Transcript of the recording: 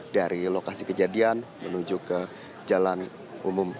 dari lokasi kejadian menuju ke jalan umum